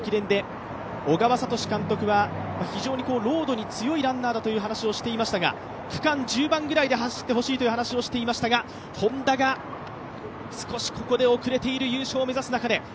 小川智監督は非常にロードに強い選手だと話していましたが、区間１０番ぐらいで走ってほしいという話をしていましたが、Ｈｏｎｄａが少しここで遅れている、優勝を目指す中で。